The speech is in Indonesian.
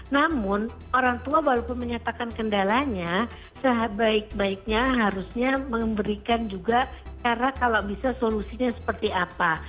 namun orang tua walaupun menyatakan kendalanya sebaik baiknya harusnya memberikan juga cara kalau bisa solusinya seperti apa